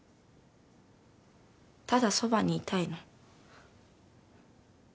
ただそばにいたいの。